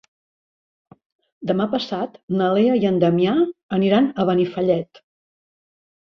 Demà passat na Lea i en Damià aniran a Benifallet.